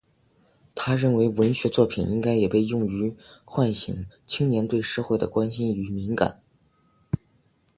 他认为文学作品应该也被用来唤醒青年对社会的关心与敏感。